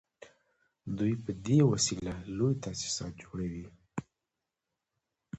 دوی په دې وسیله لوی تاسیسات جوړوي